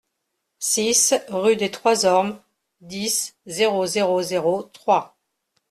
six rue des Trois Ormes, dix, zéro zéro zéro, Troyes